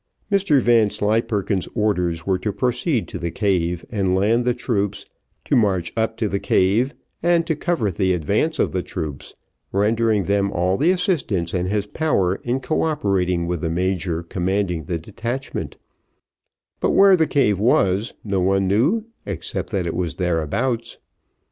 Mr Vanslyperken's orders were to proceed to the cave, and land the troops, to march up to the cave, and to cover the advance of the troops, rendering them all the assistance in his power in co operating with the major commanding the detachment; but where the cave was, no one knew, except that it was thereabouts.